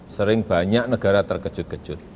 sering banyak negara terkejut kejut